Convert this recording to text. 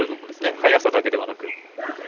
早さだけではなくて。